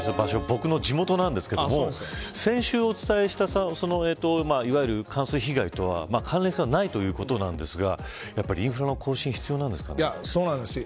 僕の地元なんですけど先週お伝えしたいわゆる冠水被害とは関連性はないということなんですがやっぱりインフラの更新がそうなんですよ。